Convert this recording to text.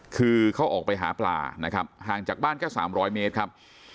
คือเขาออกไปหาปลานะครับห่างจากบ้านแค่๓๐๐เมตรครับ